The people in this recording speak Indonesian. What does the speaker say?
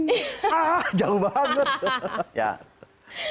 ah jauh banget